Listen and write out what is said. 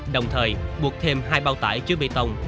đồng thời buộc thêm hai bao tải chứa bê tông